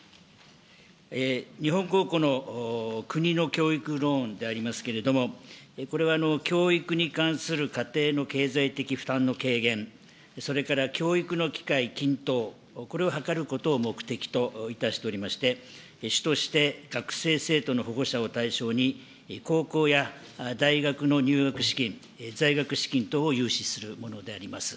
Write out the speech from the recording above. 日本公庫の国の教育ローンでありますけれども、これは教育に関する家庭の経済的負担の軽減、それから教育の機会均等、これを図ることを目的といたしておりまして、主として学生・生徒の保護者を対象に高校や大学の入学資金、在学資金等を融資するものであります。